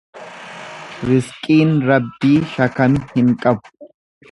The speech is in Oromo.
Rizqiin Rabbii shakami hin qabu.